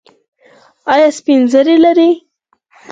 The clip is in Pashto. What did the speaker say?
ایا سپین زیړی لرئ؟